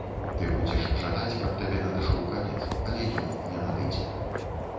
Ты будзеш жадаць, каб табе надышоў канец, але ён не надыдзе.